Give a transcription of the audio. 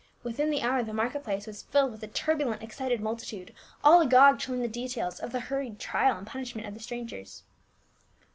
Within the hour the market place was filled with a turburlent excited multitude, all agog to learn the details of the hurried trial and punishment of the strangers.